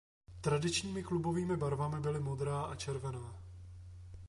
Tradičními klubovými barvami byli modrá a červená.